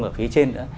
ở phía trên